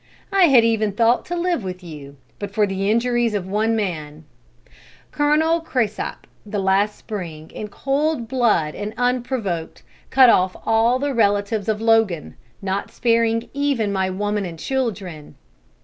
I had even thought to live with you, but for the injuries of one man. Colonel Cresap, the last spring, in cool blood and unprovoked, cut off all the relatives of Logan, not sparing even my women and children.